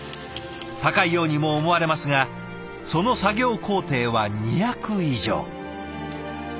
高いようにも思われますがその作業工程は２００以上。